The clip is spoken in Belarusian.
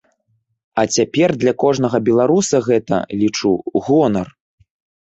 А цяпер для кожнага беларуса гэта, лічу, гонар!